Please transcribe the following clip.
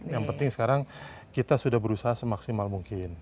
yang penting sekarang kita sudah berusaha semaksimal mungkin